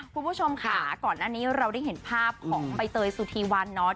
คุณผู้ชมค่ะก่อนหน้านี้เราได้เห็นภาพของใบเตยสุธีวันเนาะ